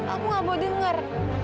aku gak mau denger